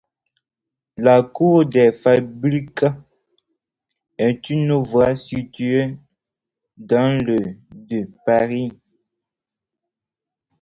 La cour des Fabriques est une voie située dans le de Paris.